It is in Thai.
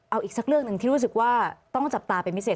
เอาอีกสักเรื่องหนึ่งที่รู้สึกว่าต้องจับตาเป็นพิเศษ